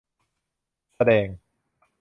แสดง